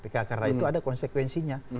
karena itu ada konsekuensinya